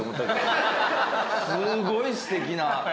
すごいすてきな。